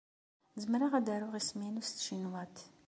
Zemreɣ ad aruɣ isem-inu s tcinwat.